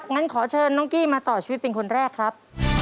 งั้นขอเชิญน้องกี้มาต่อชีวิตเป็นคนแรกครับ